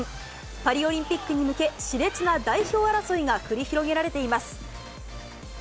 パリオリンピックに向け、しれつな代表争いが繰り広げられています。